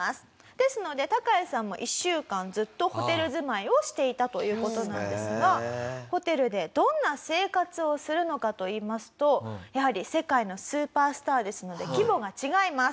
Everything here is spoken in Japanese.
ですのでタカヤさんも１週間ずっとホテル住まいをしていたという事なんですがホテルでどんな生活をするのかといいますとやはり世界のスーパースターですので規模が違います。